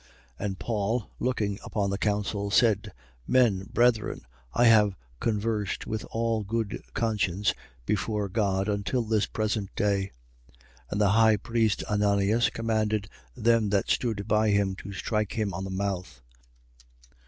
23:1. And Paul, looking upon the council, said: Men, brethren, I have conversed with all good conscience before God until this present day. 23:2. And the high priest, Ananias, commanded them that stood by him to strike him on the mouth.